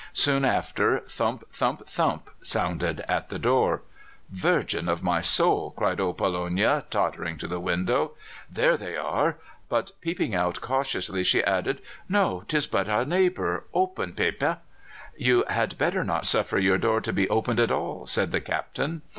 Soon after thump! thump! thump! sounded at the door. "Virgin of my soul!" cried old Pollonia, tottering to the window. "There they are!" But, peeping out cautiously, she added, "No, 'tis but a neighbour. Open, Pepa." "You had better not suffer your door to be opened at all," said the Captain.